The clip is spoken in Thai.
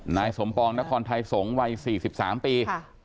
นายสมปองนครไทยสงศ์วัย๔๓ปี